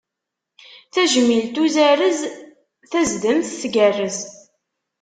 Tajmilt uzarez, tazdemt tgerrez.